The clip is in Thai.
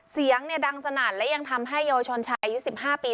เสียงดังสนั่นและยังทำให้เยาวชนชายอายุ๑๕ปี